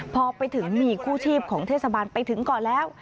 พอไปถึงมีกู้ชีพของเทศบาลไปถึงก่อนแล้ว